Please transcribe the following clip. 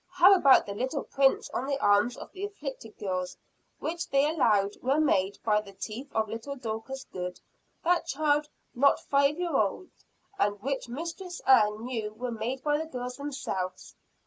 How about the little prints on the arms of the "afflicted girls," which they allowed were made by the teeth of little Dorcas Good, that child not five years old; and which Mistress Ann knew were made by the girls themselves?